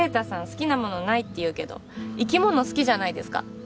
好きなものないって言うけど生き物好きじゃないですか